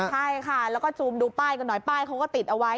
ใช่ค่ะแล้วก็ซูมดูป้ายกันหน่อยป้ายเขาก็ติดเอาไว้